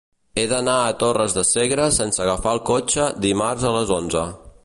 He d'anar a Torres de Segre sense agafar el cotxe dimarts a les onze.